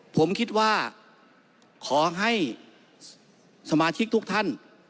ผมคิดว่าขอให้สมาชิกทุกท่าน